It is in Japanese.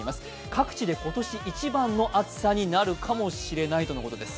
各地で今年一番の暑さになるかもしれないとのことです。